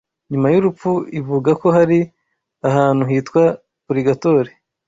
nyuma y’urupfu, ivuga ko hari ahantu hitwa Purigatori